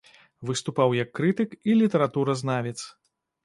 Выступаў як крытык і літаратуразнавец.